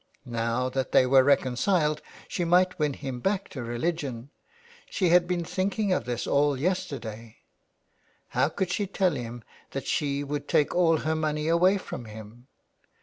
Now that they were reconciled she might win him back to religion ; she had been thinking of this all yester day. How could she tell him that she would take all her money away from him